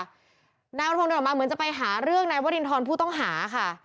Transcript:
นายอุทธงเดินออกมาเหมือนจะไปหาเรื่องนายวรินทรผู้ต้องหาค่ะ